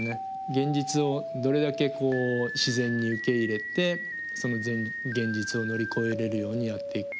現実をどれだけ自然に受け入れてその現実を乗り越えれるようにやっていくか。